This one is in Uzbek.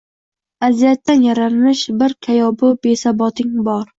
Aziyatdan yaralmish bir kayobu besaboting bor